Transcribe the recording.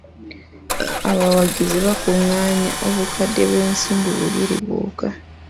Abawagizi baakungaanya obukadde bw'ensimbi bubiri bwokka.